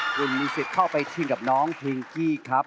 คุณมีสิทธิ์เข้าไปชิงกับน้องพิงกี้ครับ